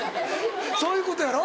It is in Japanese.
そういうことやろ？